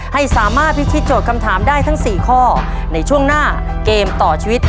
ให้สามารถพิธีโจทย์คำถามได้ทั้งสี่ข้อในช่วงหน้าเกมต่อชีวิต